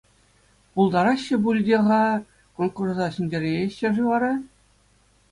Пултараҫҫӗ пуль те-ха, конкурса ҫӗнтерееҫҫӗ-ши вара?